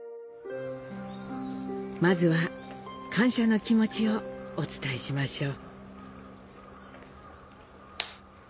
まずは感謝の気持ちをお伝えしましょう。